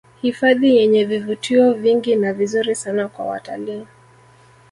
Hifadhi yenye vivutio vingi na vizuri sana kwa watalii